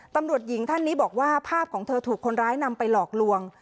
ตำรวจหญิงท่านนี้บอกว่าภาพของเธอถูกคนร้ายนำไปหลอกลวง